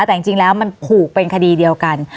แต่จริงแล้วมันผูกเป็นคดีเดียวกัน